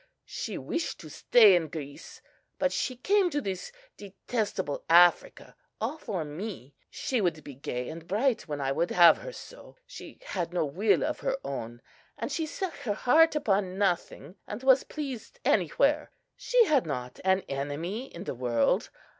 She wished to stay in Greece; but she came to this detestable Africa all for me. She would be gay and bright when I would have her so. She had no will of her own; and she set her heart upon nothing, and was pleased anywhere. She had not an enemy in the world.